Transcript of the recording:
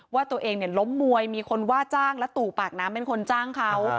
ว่าตัวเองล้มมวยมีคนว่าจ้างและตู่ปากน้ำเป็นคนจ้างเขา